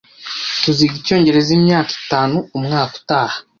Tuziga icyongereza imyaka itanu umwaka utaha